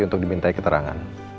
untuk diminta keterangan